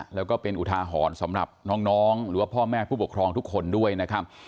แล้วก็เป็นอุทาหรณ์สำหรับน้องหรือว่าพ่อแม่ผู้ปกครองทุกคนด้วยนะครับ